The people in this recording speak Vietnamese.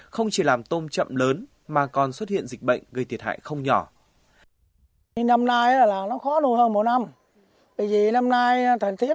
không chỉ làm tôm chậm lớn nhưng cũng làm tôm